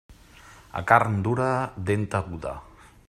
A carn dura, dent aguda.